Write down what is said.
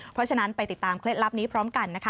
เพราะฉะนั้นไปติดตามเคล็ดลับนี้พร้อมกันนะคะ